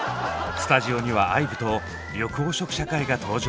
スタジオにはＩＶＥと緑黄色社会が登場！